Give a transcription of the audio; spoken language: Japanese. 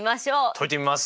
解いてみます！